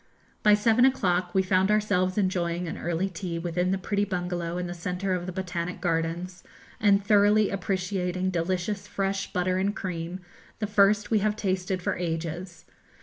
By seven o'clock we found ourselves enjoying an early tea within the pretty bungalow in the centre of the Botanic Gardens, and thoroughly appreciating delicious fresh butter and cream, the first we have tasted for ages.